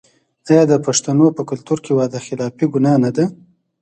آیا د پښتنو په کلتور کې وعده خلافي ګناه نه ده؟